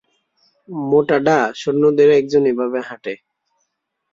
মোটা ডা, সৈন্যদের একজন এভাবে হাটে।